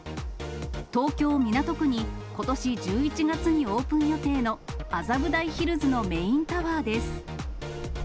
東京・港区にことし１１月にオープン予定の麻布台ヒルズのメインタワーです。